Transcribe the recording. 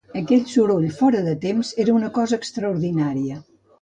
Aquell soroll fora de temps, era una cosa extraordinària.